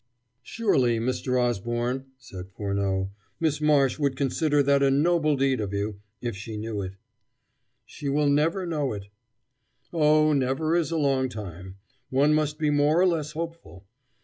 "Surely, Mr. Osborne," said Furneaux, "Miss Marsh would consider that a noble deed of you, if she knew it." "She will never know it." "Oh, never is a long time. One must be more or less hopeful.